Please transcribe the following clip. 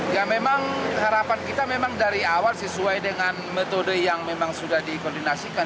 ya memang harapan kita memang dari awal sesuai dengan metode yang memang sudah dikoordinasikan